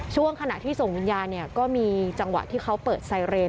ช่วงขณะที่ส่งวิญญาณเนี่ยก็มีจังหวะที่เขาเปิดไซเรน